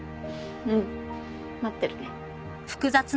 うん待ってるね。